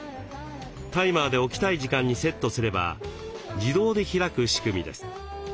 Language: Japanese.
タイマーで起きたい時間にセットすれば自動で開く仕組みです。